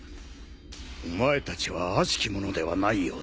お前たちはあしき者ではないようだ。